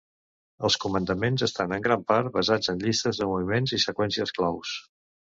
Els comandaments estan en gran part basats en llistes de moviment i seqüències claus.